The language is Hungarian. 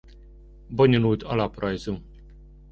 Bonyolult alaprajzú.